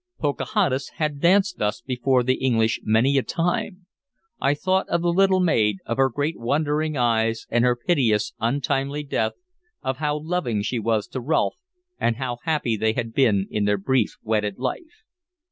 Pocahontas had danced thus before the English many a time. I thought of the little maid, of her great wondering eyes and her piteous, untimely death, of how loving she was to Rolfe and how happy they had been in their brief wedded life.